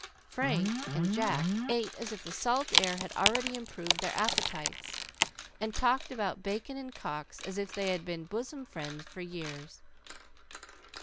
Frank and Jack ate as if the salt air had already improved their appetites, and talked about Bacon and Cox as if they had been bosom friends for years.